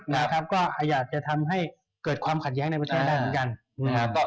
หยัดจะทำให้เกิดความขัดแย้งในประชาชนก็ได้บันการ